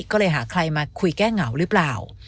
ก็เลยหาใครมาคุยแก้เหงาหรือเปล่า